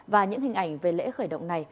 và những hình ảnh về lễ khởi động này